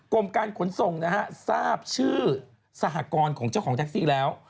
กรมการขนส่งนะฮะทราบชื่อสหกรณ์ของเจ้าของแท็กซี่แล้ว